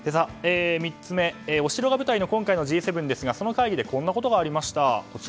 ３つ目、お城が舞台の今回のＧ７ですが、その会議でこんなことがありました。